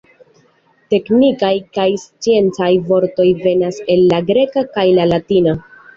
Teknikaj kaj sciencaj vortoj venas el la greka kaj la latina.